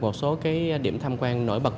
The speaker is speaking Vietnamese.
một số điểm tham quan nổi bật